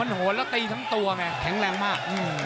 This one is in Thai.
มันหัวแล้วตีทั้งตัวแม่เค็งแรงมาก